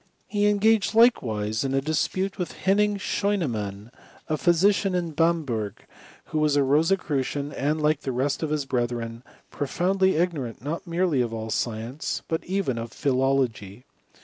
He engaged likewise in a dispute with Hen QJng Scheunemann, a physician in Bamberg, who was a Rosecrucian, and, like the rest of his brethren, pro foundly ignorant not. merely of all science, but even of philology.